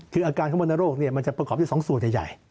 คืออาการของวันนโรคเนี่ยมันจะประกอบมาจาก๒สูตรใหญ่